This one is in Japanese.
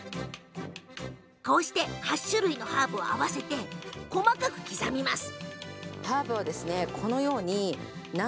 ８種類のハーブを合わせて細かく刻みます。